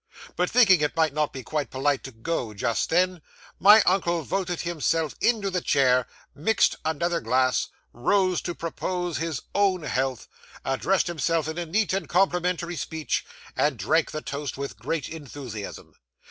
But, thinking it might not be quite polite to go just then, my uncle voted himself into the chair, mixed another glass, rose to propose his own health, addressed himself in a neat and complimentary speech, and drank the toast with great enthusiasm.